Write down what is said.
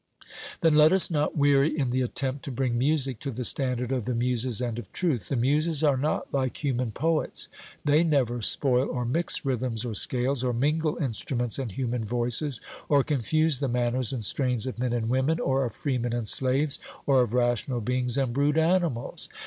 Then let us not weary in the attempt to bring music to the standard of the Muses and of truth. The Muses are not like human poets; they never spoil or mix rhythms or scales, or mingle instruments and human voices, or confuse the manners and strains of men and women, or of freemen and slaves, or of rational beings and brute animals.